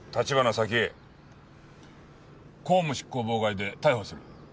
沙希江公務執行妨害で逮捕する。